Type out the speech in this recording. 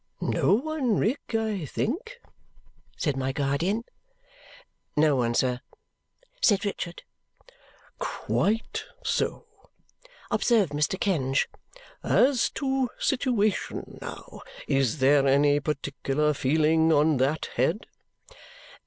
"No one, Rick, I think?" said my guardian. "No one, sir," said Richard. "Quite so!" observed Mr. Kenge. "As to situation, now. Is there any particular feeling on that head?"